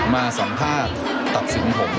มาสัมภาษณ์ตัดสินผม